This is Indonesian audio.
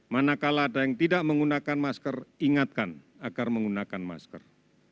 manakala ada yang tidak menggunakan masker ingatkan agar menggunakan masker